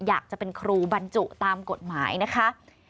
อยากจะเป็นครูบรรจุตามกฎหมายนะคะ